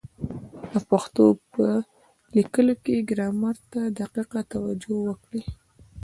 د پښتو په لیکلو کي ګرامر ته دقیقه توجه وکړئ!